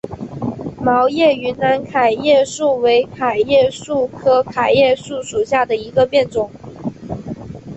毛叶云南桤叶树为桤叶树科桤叶树属下的一个变种。